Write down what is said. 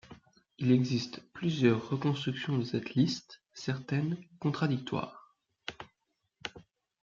Il existe plusieurs reconstructions de cette liste, certaines contradictoires.